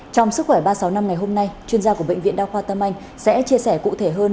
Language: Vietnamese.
trong sức khỏe ba trăm sáu mươi năm ngày hôm nay chuyên gia của bệnh viện đa khoa tâm anh sẽ chia sẻ cụ thể hơn